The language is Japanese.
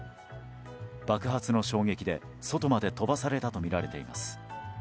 爆発の衝撃で外まで飛ばされたとみられています。